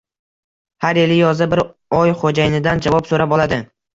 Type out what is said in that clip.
Har yili yozda bir oy xoʻjayinidan javob soʻrab oladi.